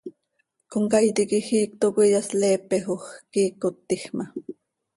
Comcaii tiquij iicto coi iyasleepejoj, quiicot tiij ma.